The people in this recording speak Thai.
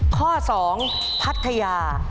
ข้อสองพัทยา